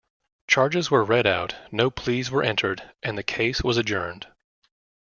Charges were read out, no pleas were entered and the case was adjourned.